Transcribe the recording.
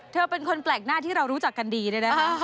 เธอเป็นคนแปลกหน้าที่เรารู้จักกันดีเนี่ยนะคะ